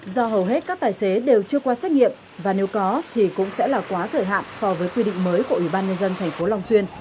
do hầu hết các tài xế đều chưa qua xét nghiệm và nếu có thì cũng sẽ là quá thời hạn so với quy định mới của ủy ban nhân dân tp long xuyên